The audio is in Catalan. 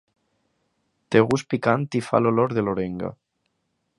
Té gust picant i fa l'olor de l'orenga.